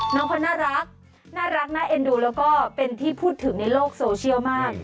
น้องเขาน่ารักน่ารักน่าเอ็นดูแล้วก็เป็นที่พูดถึงในโลกโซเชียลมาก